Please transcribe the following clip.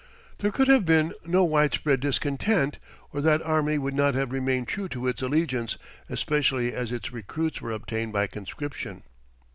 There could have been no widespread discontent, or that army would not have remained true to its allegiance, especially as its recruits were obtained by conscription.